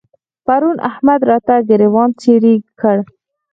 پرون احمد راته ګرېوان څيرې کړ.